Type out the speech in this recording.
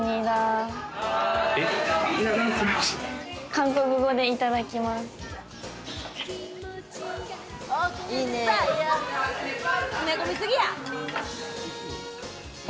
韓国語でいただきますって。